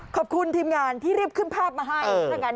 ขอบคุณทีมงานที่รีบขึ้นภาพมาให้